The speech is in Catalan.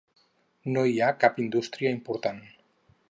No hi ha cap indústria important.